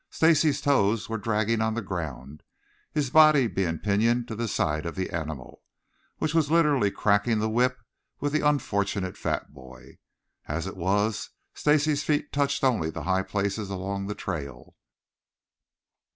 Stacy's toes were dragging on the ground, his body being pinioned to the side of the animal, which was literally cracking the whip with the unfortunate fat boy. As it was, Stacy's feet touched only the high places along the trail.